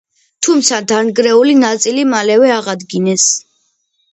თუმცა დანგრეული ნაწილი მალევე აღადგინეს.